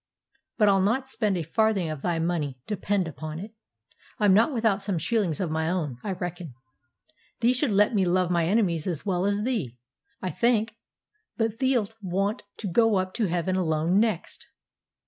But I'll not spend a farthing of thy money, depend upon it. I'm not without some shillings of my own, I reckon. Thee should let me love my enemies as well as thee, I think; but thee'lt want to go up to heaven alone next.'